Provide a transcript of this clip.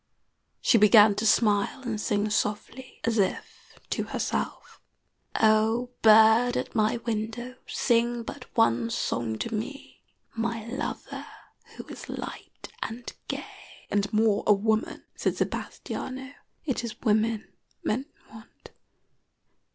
She began to smile and sing softly, as if to herself: "Oh, bird at my window, Sing but one song to me, My lover who is light and gay." "And more a woman," said Sebastiano. "It is women men want."